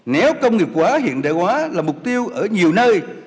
nếu công nghiệp quá hiện đại quá là mục tiêu ở nhiều nơi